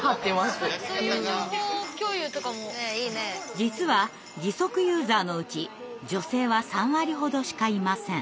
実は義足ユーザーのうち女性は３割ほどしかいません。